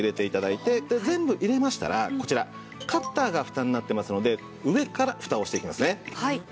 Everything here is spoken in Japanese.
で全部入れましたらこちらカッターがフタになっていますので上からフタをしていきますね。